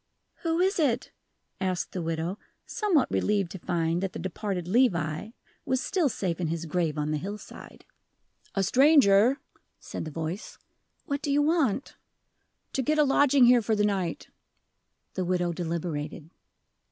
"Who is it?" asked the widow, somewhat relieved to find that the departed Levi was still safe in his grave on the hillside. "A stranger," said the voice. "What do you want?" "To get a lodging here for the night." The widow deliberated.